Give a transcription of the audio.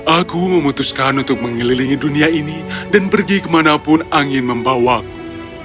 aku memutuskan untuk mengelilingi dunia ini dan pergi kemanapun angin membawaku